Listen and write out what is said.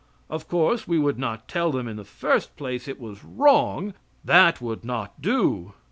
Of course we would not tell them, in the first place, it was wrong. That would not do.